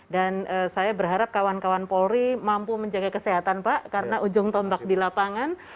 dan saya berharap kawan kawan polri mampu menjaga kesehatan pak karena ujung tombak di lapangan